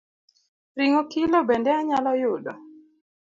Ring’o kilo bende anyalo yudo?